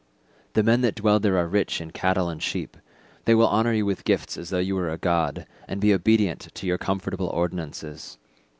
The men that dwell there are rich in cattle and sheep; they will honour you with gifts as though were a god, and be obedient to your comfortable ordinances.